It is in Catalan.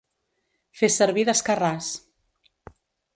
Fer servir d'escarràs.